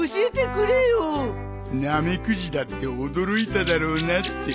ナメクジだって驚いただろうなって。